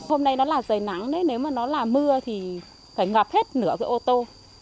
hôm nay nó là dày nắng nếu mà nó là mưa thì phải ngập hết nửa cái ô tô